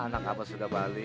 anak abang sudah balik